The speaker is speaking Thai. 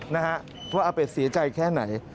นะฮะว่าอาเป็ดเสียใจแค่ไหน